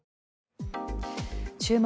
「注目！